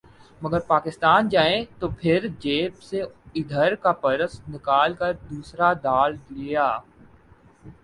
مگر پاکستان جائیں تو پھر جیب سے ادھر کا پرس نکال کر دوسرا ڈال لیا